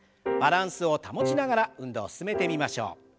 バランスを保ちながら運動を進めてみましょう。